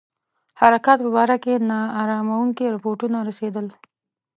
حرکاتو په باره کې نا اراموونکي رپوټونه رسېدل.